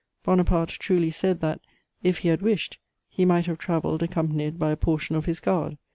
Bonaparte truly said that, if he had wished, he might have travelled accompanied by a portion of his guard.